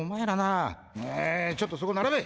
あちょっとそこ並べ！